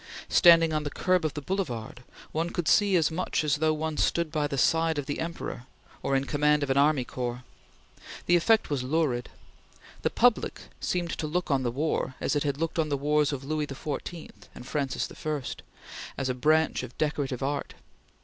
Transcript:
Standing on the curb of the Boulevard, one could see as much as though one stood by the side of the Emperor or in command of an army corps. The effect was lurid. The public seemed to look on the war, as it had looked on the wars of Louis XIV and Francis I, as a branch of decorative art.